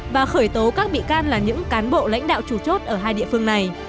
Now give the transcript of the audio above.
và khởi tố các bị can là những cán bộ lãnh đạo chủ chốt ở hai địa phương này